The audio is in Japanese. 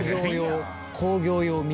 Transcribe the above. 工業用。